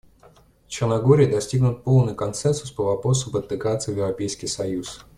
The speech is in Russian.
В Черногории достигнут полный консенсус по вопросу об интеграции в Европейский союз.